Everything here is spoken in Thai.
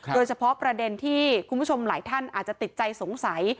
โดยเฉพาะประเด็นที่คุณผู้ชมหลายท่านอาจจะติดใจสงสัย